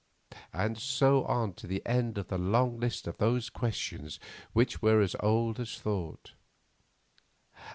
And so on to the end of the long list of those questions which are as old as thought.